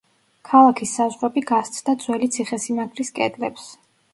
ქალაქის საზღვრები გასცდა ძველი ციხესიმაგრის კედლებს.